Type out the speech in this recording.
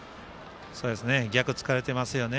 逆つかれてますよね。